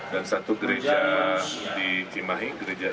dan satu gereja di cimahi